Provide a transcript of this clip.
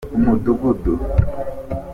umudugudu.